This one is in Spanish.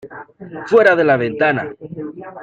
¡ Fuera de la ventana!